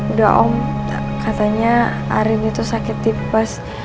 udah om katanya arief itu sakit tipes